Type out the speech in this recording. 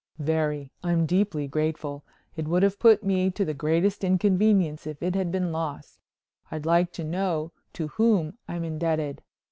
"Very. I'm deeply grateful. It would have put me to the greatest inconvenience if it had been lost. I'd like to know to whom I'm indebted."